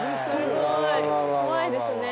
すごい怖いですね。